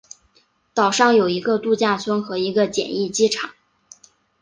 岛上有一个度假村和一个简易机场。